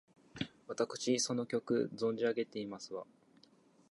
わたくしその曲、存じ上げてますわ！